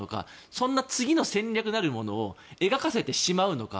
そんな次の戦略なるものを描かせてしまうのか。